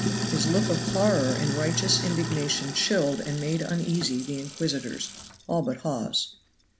His look of horror and righteous indignation chilled and made uneasy the inquisitors, all but Hawes.